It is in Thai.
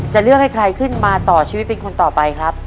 จะเลือกให้ใครขึ้นมาต่อชีวิตเป็นคนต่อไปครับ